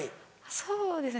そうですね